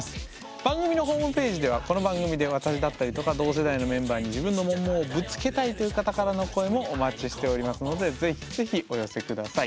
番組のホームページではこの番組で私だったりとか同世代のメンバーに自分のモンモンをぶつけたいという方からの声もお待ちしておりますので是非是非お寄せ下さい。